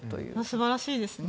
素晴らしいですね。